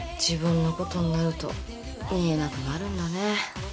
自分のことになると見えなくなるんだね。